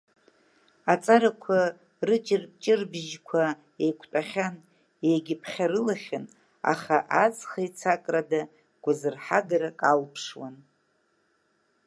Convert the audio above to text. Аҵарақәа рыҷырҷырбжьқәа еиқәтәахьан, иагьыԥхьарылахьан, аха аҵх еицакрада гәазырҳагарак алԥшуан.